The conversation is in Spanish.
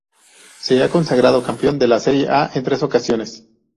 Se ha consagrado campeón de la Serie A en tres ocasiones.